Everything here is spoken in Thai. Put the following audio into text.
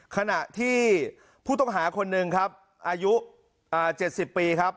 ขณะที่ผู้ต้องหาคนหนึ่งครับอายุ๗๐ปีครับ